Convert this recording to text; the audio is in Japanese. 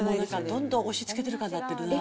どんどん押し付けてる感じなってるな。